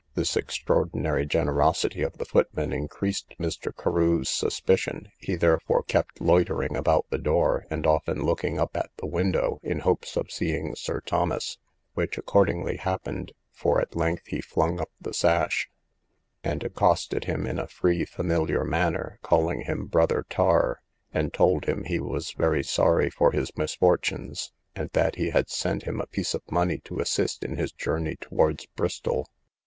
This extraordinary generosity of the footman increased Mr. Carew's suspicion; he therefore kept loitering about the door, and often looking up at the window, in hopes of seeing Sir Thomas, which accordingly happened, for at length he flung up the sash, and accosted him in a free familiar manner, called him Brother Tar, and told him he was very sorry for his misfortunes, and that he had sent him a piece of money to assist him in his journey towards Bristol.